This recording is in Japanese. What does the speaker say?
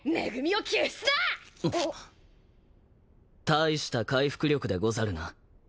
大した回復力でござるな。